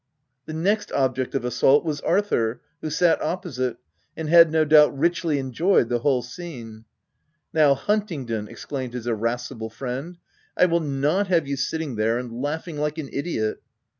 The next object of assault was Arthur, who sat opposite, and had no doubt richly enjoyed the whole scene. "Now Huntingdon," exclaimed his irascible friend, a I wil,l not have you sitting there and laughing like an idiot